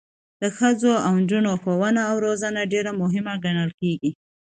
د ښځو او نجونو ښوونه او روزنه ډیره مهمه ګڼل کیږي.